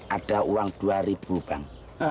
ada uang dua ribu bang